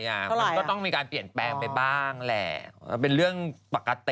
มันก็ต้องมีการเปลี่ยนแปลงไปบ้างแหละเป็นเรื่องปกติ